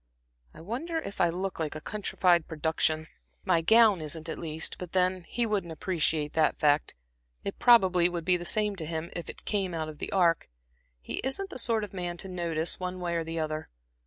I wonder if I look like a countrified production. My gown isn't, at least; but then he wouldn't appreciate that fact. It probably would be the same to him, if it came out of the Ark; he isn't the sort of man to notice, one way or the other.